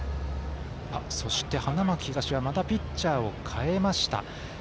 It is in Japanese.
そして花巻東はまたピッチャーを代えました。